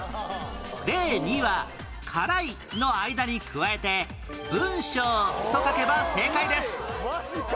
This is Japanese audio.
例２は「辛い」の間に加えて「文章」と書けば正解です